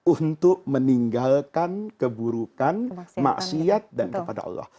untuk meninggalkan keburukan maksiat dan kepada allah